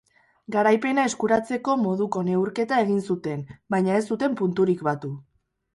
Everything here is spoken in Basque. Garaipena eskuratzeko moduko neurketa egin zuten, baina ez zuten punturik batu.